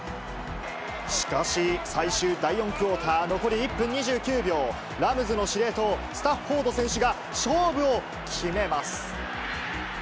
しかし、最終第４クオーター、残り１分２９秒、ラムズの司令塔、スタッフォード選手が勝負を決めます。